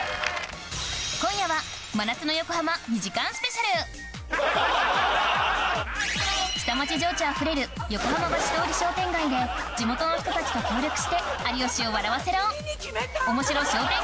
今夜は下町情緒あふれる横浜橋通商店街で地元の人たちと協力して有吉を笑わせろ！